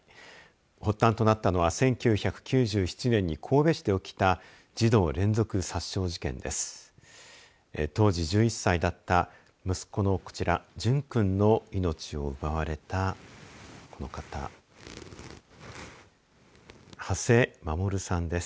発端となったのは１９９７年に神戸市で起きた児童連続殺傷事件です。